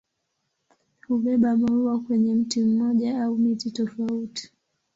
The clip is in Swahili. Hubeba maua kwenye mti mmoja au miti tofauti.